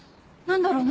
何だろう